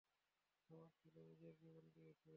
আমার ছেলে নিজের জীবন দিয়েছে।